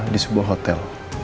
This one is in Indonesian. di sebuah hotel